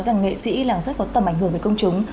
rằng nghệ sĩ là rất có tầm ảnh hưởng với công chúng